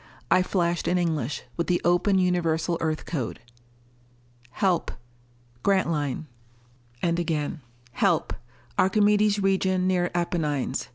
I flashed in English, with the open Universal Earth code: Help. Grantline. And again: _Help. Archimedes region near Apennines.